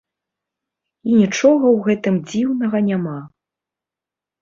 І нічога ў гэтым дзіўнага няма.